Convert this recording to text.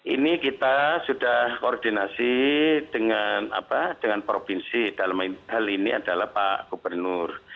ini kita sudah koordinasi dengan provinsi dalam hal ini adalah pak gubernur